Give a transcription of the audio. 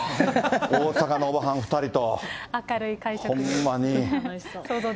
大阪のおばはん２人と。